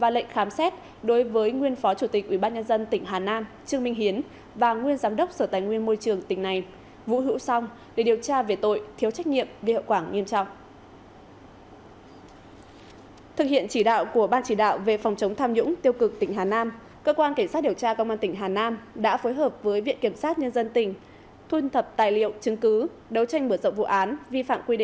lệnh khám xét đối với ông trương minh hiến sinh năm một nghìn chín trăm sáu mươi nguyên phó chủ tịch ủy ban nhân dân tỉnh hà nam